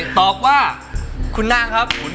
ตอบว่าคุณนางครับ